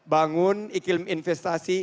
bangun iklim investasi